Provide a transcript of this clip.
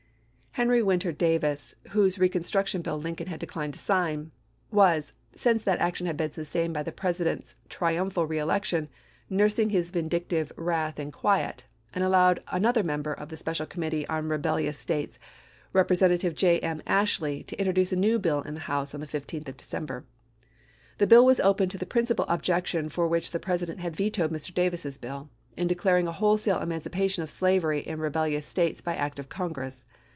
Henry Winter Davis, whose recon struction bill Lincoln had declined to sign, was, since that action had been sustained by the Presi dent's triumphant reelection, nursing his vindictive wrath in quiet, and allowed another member of the Special Committee on Rebellious States, Repre sentative J. M. Ashley, to introduce a new bill in the House on the 15th of December. The bill was open to the principal objection for which the President had vetoed Mr. Davis's bill, in declaring a wholesale emancipation of slavery in rebellious States by act of Congress.